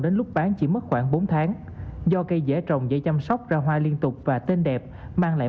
đến lúc bán chỉ mất khoảng bốn tháng do cây dễ trồng dễ chăm sóc ra hoa liên tục và tên đẹp mang lại